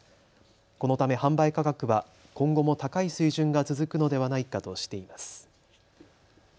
このため販売価格は今後も高い水準が続くのではないかとしています。